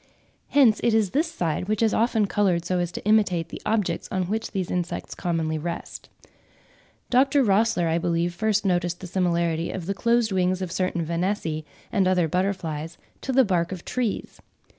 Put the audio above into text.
Hence it is this side which is often coloured so as to imitate the objects on which these insects commonly rest. Dr. Rossler, I believe, first noticed the similarity of the closed wings of certain Vanessae and other butterflies to the bark of trees.